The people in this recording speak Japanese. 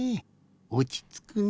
おちつくね。